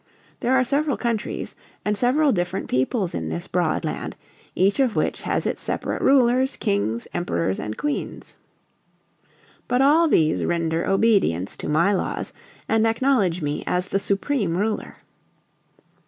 There are several countries and several different peoples in this broad land, each of which has its separate rulers, Kings, Emperors and Queens. But all these render obedience to my laws and acknowledge me as the supreme Ruler."